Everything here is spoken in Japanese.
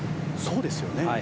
そうですよね。